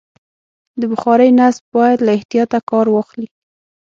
د بخارۍ نصب باید له احتیاطه کار واخلي.